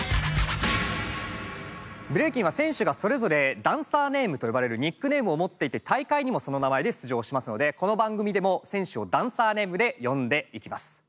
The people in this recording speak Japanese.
ブレイキンは選手がそれぞれダンサーネームと呼ばれるニックネームを持っていて大会にもその名前で出場しますのでこの番組でも選手をダンサーネームで呼んでいきます。